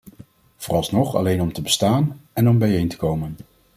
Vooralsnog alleen om te bestaan en om bijeen te komen.